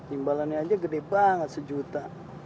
imbalannya aja gede banget sejuta